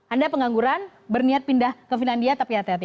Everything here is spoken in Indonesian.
anda pengangguran berniat pindah ke finlandia tapi hati hati